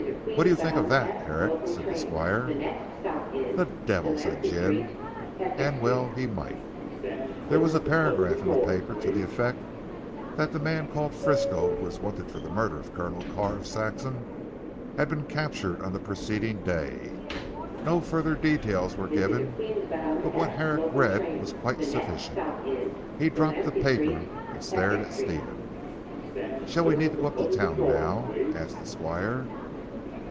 "What do you think of that Herrick?" said the Squire. "The devil!" said Dr. Jim, and well he might. There was a paragraph in the paper to the effect that the man called Frisco who was wanted for the murder of Colonel Carr of Saxham, had been captured on the preceding day. No further details were given, but what Herrick read was quite sufficient. He dropped the paper and stared at Stephen. "Shall we need go up to Town now?" asked the Squire.